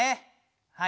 はい。